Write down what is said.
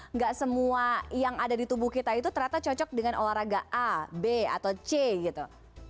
nggak semua yang ada di tubuh kita itu ternyata cocok dengan olahraga a b atau c gitu